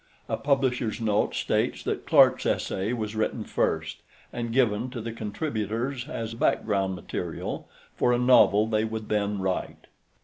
A publisher's note states that Clark's essay was written first, and given to the contributors as background material for a novel they would then write.